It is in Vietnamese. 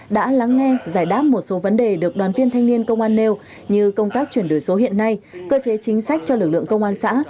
đã lắng nghe giải đáp một số vấn đề được đoàn viên thanh niên công an nêu như công tác chuyển đổi số hiện nay cơ chế chính sách cho lực lượng công an xã